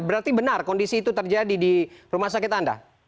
berarti benar kondisi itu terjadi di rumah sakit anda